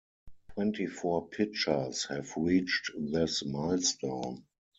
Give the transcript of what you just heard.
Twenty-four pitchers have reached this milestone.